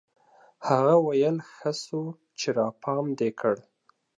هغه ويل ښه سو چې راپام دي کړ.